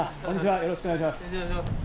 よろしくお願いします。